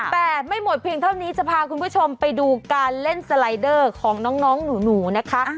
แต่ไม่หมดเพียงเท่านี้จะพาคุณผู้ชมไปดูการเล่นสไลเดอร์ของน้องหนูนะคะ